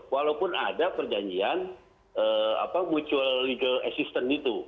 walaupun ada perjanjian mutual legal assistance itu